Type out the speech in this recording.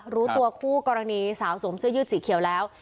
รู้ตัวคู่กรณีสาวสวมเสื้อยืดสีเขียวแล้ว